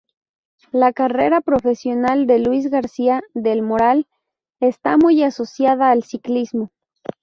La carrera profesional de Luis García del Moral está muy asociada al ciclismo.